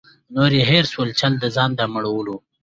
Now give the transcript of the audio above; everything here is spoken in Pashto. نور یې هېر سو چل د ځان د مړولو